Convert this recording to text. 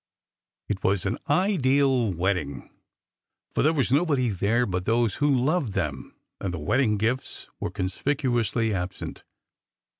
It was an ideal wedding, for there was nobody there but those who loved them, and the wedding gifts were conspicuously absent.